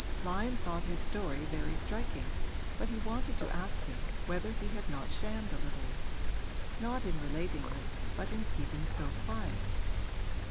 Lyon thought his story very striking, but he wanted to ask him whether he had not shammed a little not in relating it, but in keeping so quiet.